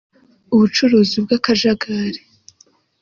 ubucuruzi bw’akajagari